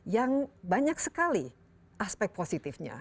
yang banyak sekali aspek positifnya